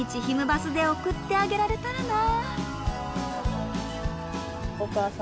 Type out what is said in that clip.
バスで送ってあげられたらな。